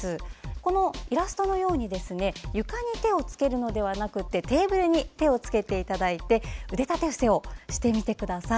このイラストのように床に手をつけるのではなくてテーブルに手をつけていただいて腕立てふせをしてみてください。